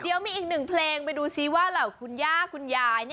เดี๋ยวมีอีกหนึ่งเพลงไปดูซิว่าเหล่าคุณย่าคุณยาย